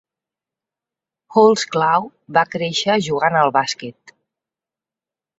Holdsclaw va créixer jugant al bàsquet.